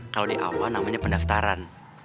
kalau di awal namanya pendaftaran